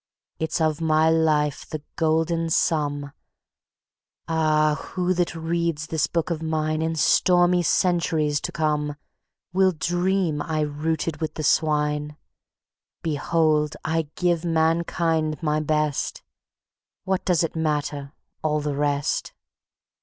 It's of my life the golden sum; Ah! who that reads this Book of mine, In stormy centuries to come, Will dream I rooted with the swine? Behold! I give mankind my best: What does it matter, all the rest?